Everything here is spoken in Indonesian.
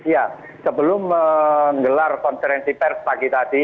ya sebelum menggelar konferensi pers pagi tadi